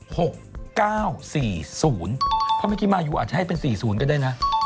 เพราะเมื่อกี้มายูอาจจะให้เป็น๔๐ก็ได้นะ